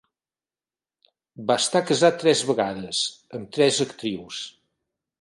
Va estar casat tres vegades, amb tres actrius.